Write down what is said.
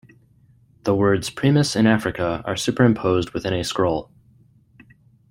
The words "Primus in Africa" are superimposed within a scroll.